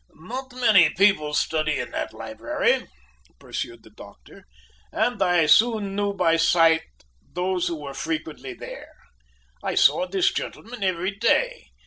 "Not many people study in that library," pursued the doctor, "and I soon knew by sight those who were frequently there. I saw this gentleman every day.